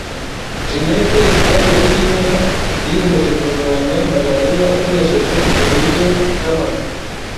Ginette Karirekinyana yiyemeje kurwanya malaria akoresheje uburyo kama